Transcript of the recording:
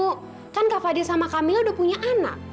kan kak fadil sama kamilah udah punya anak